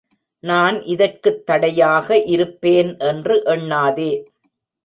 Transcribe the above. நான் இதற்குத் தடையாக இருப்பேன் என்று எண்ணாதே.